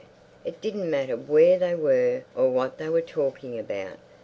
It didn't matter where they were or what they were talking about.